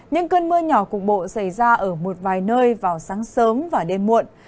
những cơn mưa nhỏ cục bộ xảy ra ở một vài nơi vào sáng sớm và đêm muộn